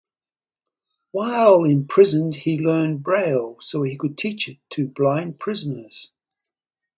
While imprisoned he learned braille so he could teach it to blind prisoners.